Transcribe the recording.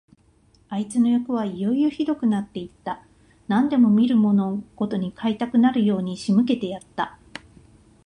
あいつのよくはいよいよひどくなって行って、何でも見るものごとに買いたくなるように仕向けてやった。